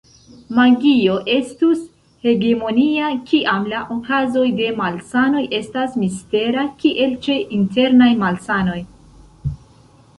Magio estus hegemonia kiam la okazoj de malsanoj estas mistera, kiel ĉe internaj malsanoj.